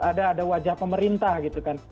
ada ada wajah pemerintah gitu kan